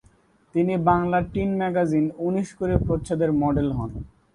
তিনি Bangla teen magazine "উনিশ-কুড়ি" প্রচ্ছদে মডেল হন।